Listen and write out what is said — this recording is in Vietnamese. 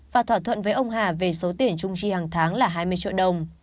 và thỏa thuận với ông hà về số tiền trung chi hàng tháng là hai mươi triệu đồng